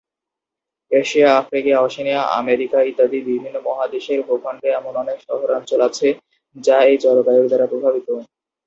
Asia, Africa, Oceania, America ইত্যাদি বিভিন্ন মহাদেশের ভূখণ্ডে এমন অনেক শহরাঞ্চল আছে যা এই জলবায়ুর দ্বারা প্রভাবিত।